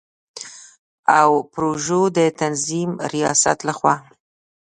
او پروژو د تنظیم ریاست له خوا